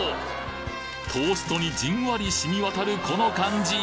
トーストにじんわり染みわたるこの感じ